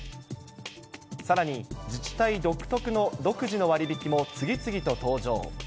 さらに、自治体独自の割引も次々と登場。